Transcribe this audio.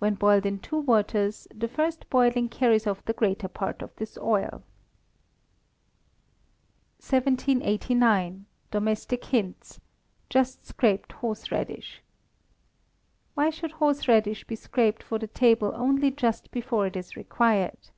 When boiled in two waters, the first boiling carries off the greater part of this oil. 1789. Domestic Hints (Just Scraped Horseradish). _Why should horseradish be scraped for the table only just before it is required?